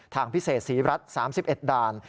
ทางพิเศษศรีรัฐ๓๑ด่าน